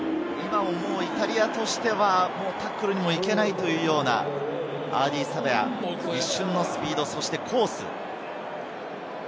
イタリアとしてはタックルにも行けないというような、アーディー・サヴェア、一瞬のスピード、そしてコース。